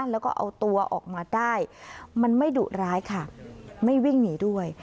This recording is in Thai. แล้วก็เอาตัวออกมาได้มันไม่ดุร้ายค่ะไม่วิ่งหนีด้วย